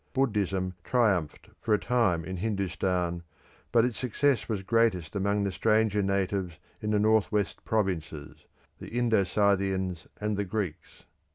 Buddhism triumphed for a time in Hindustan, but its success was greatest among the stranger natives in the north west provinces, the Indo Scythians and the Greeks.